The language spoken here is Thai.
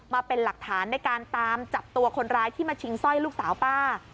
มาเป็นหลักฐานในการตามจับตัวคนร้ายที่มาชิงสร้อยลูกสาวป้า